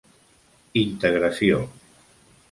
"Integració.